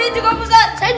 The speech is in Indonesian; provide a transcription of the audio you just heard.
saya juga mau ustadz